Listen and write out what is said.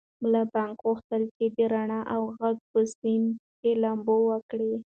ملا بانګ غوښتل چې د رڼا او غږ په سیند کې لامبو وکړي.